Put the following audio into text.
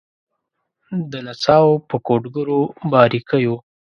د نڅاوو په کوډګرو باریکېو